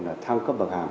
là thăng cấp bậc hàm